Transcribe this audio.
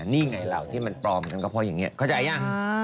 นี่ไงเหรอที่มันปลอมก็เพราะอย่างนี้เข้าใจหรือยัง